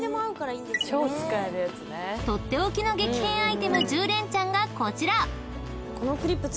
［取って置きの激変アイテム１０連ちゃんがこちら！］